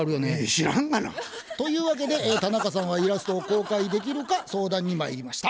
知らんがな。というわけで田中さんはイラストを公開できるか相談にまいりました。